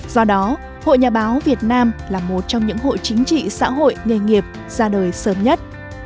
do đó hội nhà báo việt nam là một trong những hội chính trị xã hội nghề nghiệp ra đời sớm nhất